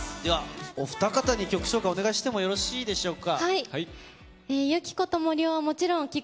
お二方に曲紹介をお願いしてもよろしいでしょうか。